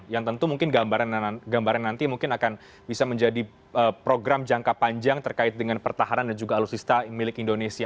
yang tentu mungkin gambaran nanti mungkin akan bisa menjadi program jangka panjang terkait dengan pertahanan dan juga alutsista milik indonesia